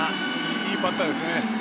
いいバッターですね。